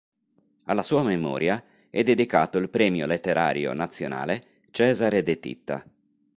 Alla sua memoria è dedicato il Premio Letterario Nazionale "Cesare De Titta".